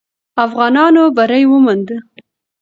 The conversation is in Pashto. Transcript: افغانانو بری وموند.